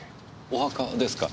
お墓ですか？